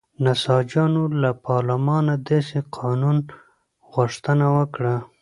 نساجانو له پارلمانه داسې قانون غوښتنه وکړه.